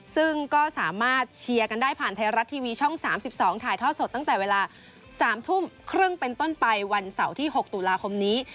ซึ่งก็สามารถเชียร์กันได้ผ่านไทยรัฐทีวีช่อง๓๒ถ่ายทอดสดตั้งแต่เวลา๓ทุ่มครึ่งเป็นต้นไปวันเสาร์ที่๖ตุลาคมนี้